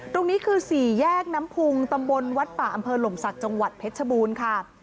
ตรงนี้คือสี่แยกน้ำพุงตำบลวัดป่าอำเภอหลมศักดิ์จังหวัดเพชรชบูรณ์ค่ะ